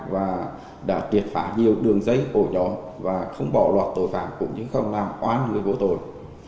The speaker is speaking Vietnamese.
và đã triệt phá nhiều đường dây ổ nhóm và không bỏ lọt tội phạm cũng như không làm oan người vô tội